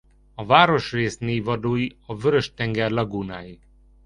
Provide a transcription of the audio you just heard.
A városrész névadói a Vörös-tenger lagúnái.